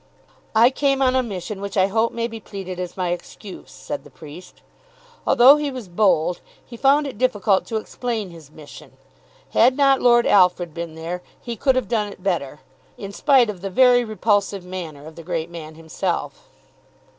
"I came on a mission which I hope may be pleaded as my excuse," said the priest. Although he was bold, he found it difficult to explain his mission. Had not Lord Alfred been there he could have done it better, in spite of the very repulsive manner of the great man himself.